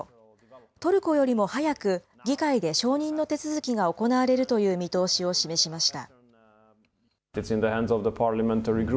トルコよりも早く議会で承認の手続きが行われるという見通しを示しました。